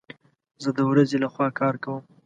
زه د ورځي لخوا کار کوم